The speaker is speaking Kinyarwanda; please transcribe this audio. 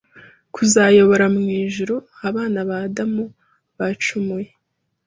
kuzayobora mu ijuru abana ba Adamu bacumuye,